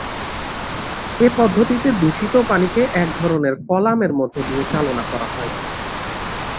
এ পদ্ধতিতে দূষিত পানিকে এক ধরনের কলামের মধ্য দিয়ে চালনা করা হয়।